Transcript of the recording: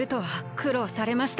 くろうされましたね。